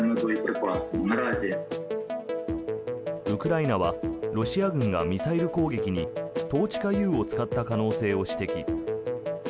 ウクライナはロシア軍がミサイル攻撃にトーチカＵを使った可能性を指摘。